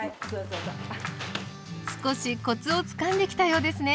少しコツをつかんできたようですね！